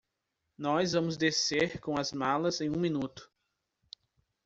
Nós vamos descer com as malas em um minuto.